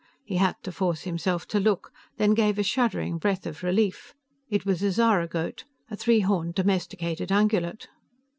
He had to force himself to look, then gave a shuddering breath of relief. It was a zaragoat, a three horned domesticated ungulate.